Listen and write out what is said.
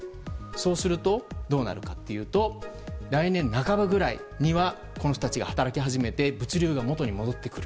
そうすると、どうなるかというと来年半ばぐらいにはこの人たちが働き始めて物流が元に戻ってくる。